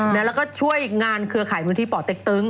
แล้วก็ช่วยงานเครือข่ายมูลที่ป่อเต็กตึง